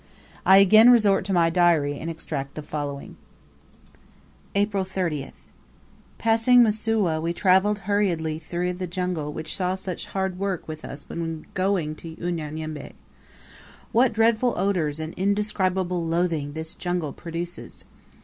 I again resort to my Diary, and extract the following: April 30th. Passing Msuwa, we travelled hurriedly through the jungle which saw such hard work with us when going to Unyanyembe. What dreadful odors and indescribable loathing this jungle produces!